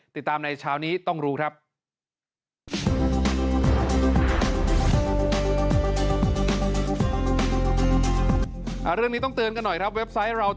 ติดตามในเช้านี้ต้องรู้ครับ